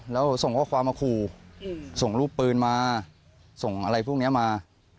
แล้วส่งข้อความมาขู่ส่งรูปปืนมาส่งอะไรพวกนี้มา